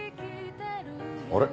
あれ？